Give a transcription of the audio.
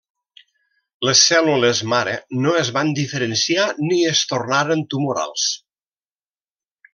Les cèl·lules mare no es van diferenciar ni es tornaren tumorals.